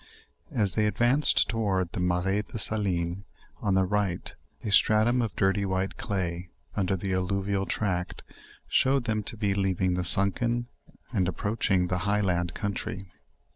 As they advanced towards the Mara is de Saline, on the right, a stratum of dir ty white clay, under the alluvial tract, showed them to be leaving the sunken, and approaching the high land country.